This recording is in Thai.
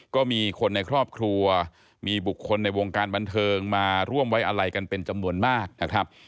ก็มีคนในครอบครัวมีบุคคลในวงการบันเทิงมาร่วมไว้อะไรกันเป็นจำนวนมากนะครับ